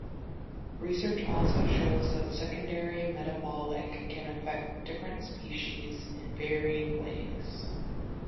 Research also shows that secondary metabolic can affect different species in varying ways.